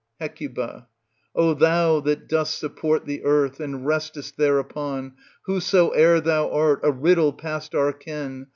Hec O thou that dost support the earth and restest thereupon, whosoe'er thou art, a riddle past our ken